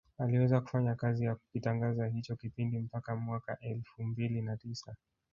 Aliweza kufanya kazi ya kukitangaza hicho kipindi mpaka mwaka elfu mbili na tisa